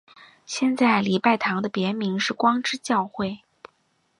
现在礼拜堂的别名是光之教会。